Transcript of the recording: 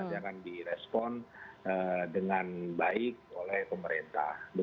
jangan direspon dengan baik oleh pemerintah